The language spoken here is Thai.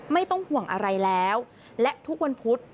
ไม่ต้องห่วงอะไรแล้วและทุกวันพุธ